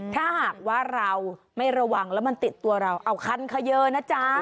ถ้าหากว่าเราไม่ระวังแล้วมันติดตัวเราเอาคันเขยอนะจ๊ะ